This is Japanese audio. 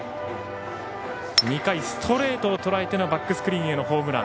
２回、ストレートをとらえてのバックスクリーンへのホームラン。